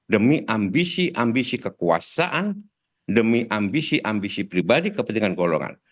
demi ambisi ambisi kekuasaan demi ambisi ambisi pribadi kepentingan golongan